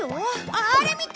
あれ見て！